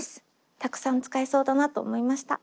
たくさん使いそうだなと思いました。